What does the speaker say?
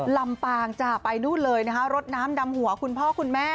ลำปางจ้ะไปนู่นเลยนะคะรดน้ำดำหัวคุณพ่อคุณแม่